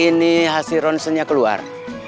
ini hasil ronsennya keluar